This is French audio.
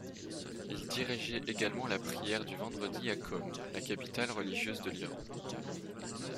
Il dirigeait également la prière du vendredi à Qom, la capitale religieuse de l'Iran.